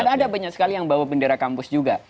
ada banyak sekali yang bawa bendera kampus juga